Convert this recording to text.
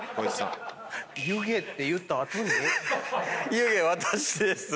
「湯気私です。